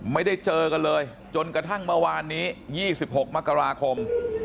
ไม่ได้เจอกันเลยจนกระทั่งเมื่อวานนี้๒๖มกราคม